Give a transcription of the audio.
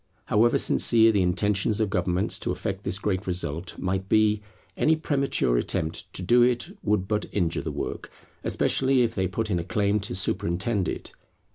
However sincere the intentions of governments to effect this great result might be, any premature attempt to do it would but injure the work, especially if they put in a claim to superintend it.